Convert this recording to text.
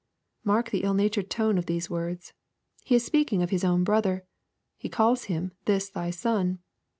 ] Mark the ill natured tone of these words. He is speaking of his own brother. He calls him " this thy son."